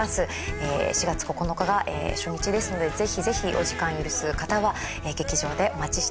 ４月９日が初日ですのでぜひぜひお時間許す方は劇場でお待ちしております。